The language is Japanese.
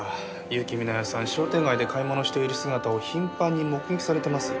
結城美奈世さん商店街で買い物している姿を頻繁に目撃されてます。